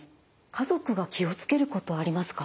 家族が気を付けることありますか？